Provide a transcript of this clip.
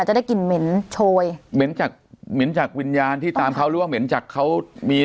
จะได้กลิ่นเหม็นโชยเหม็นจากเหม็นจากวิญญาณที่ตามเขาหรือว่าเหม็นจากเขามี